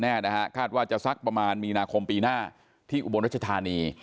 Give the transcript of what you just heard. แน่นะฮะคาดว่าจะสักประมาณมีนาคมปีหน้าที่อุบลรัชธานี